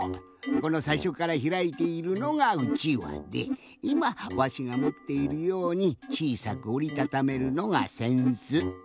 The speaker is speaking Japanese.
このさいしょからひらいているのがうちわでいまわしがもっているようにちいさくおりたためるのがせんす。